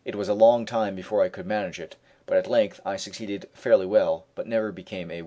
It was a long time before I could manage it; but at length I succeeded fairly well, but never became A1.